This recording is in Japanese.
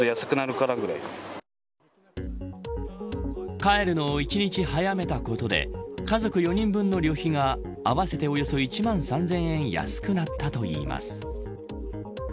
帰るのを１日早めたことで家族４人分の旅費が合わせておよそ１万３０００円安くなったといいます。